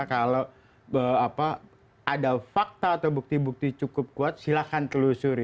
kalau ada fakta atau bukti bukti cukup kuat silahkan telusuri